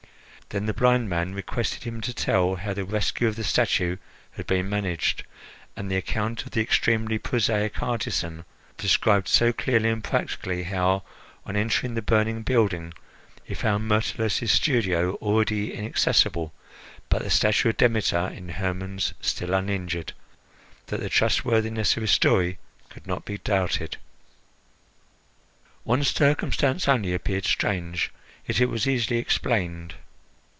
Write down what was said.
Then the blind man requested him to tell how the rescue of the statue had been managed, and the account of the extremely prosaic artisan described so clearly and practically how, on entering the burning building, he found Myrtilus's studio already inaccessible, but the statue of Demeter in Hermon's still uninjured, that the trustworthiness of his story could not be doubted. One circumstance only appeared strange, yet it was easily explained.